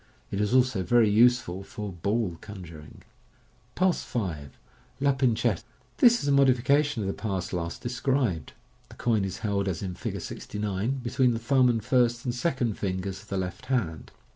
It is also very useful for " ball " conjuring. Pass 5. {La Pincette). — This is a modification of the pass last described. The coin is held as in Fig. 69, between the thumb and first and second fingers of the left hand.